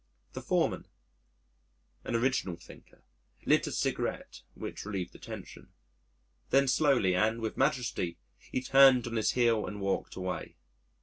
The foreman, an original thinker, lit a cigarette, which relieved the tension. Then, slowly and with majesty, he turned on his heel, and walked away.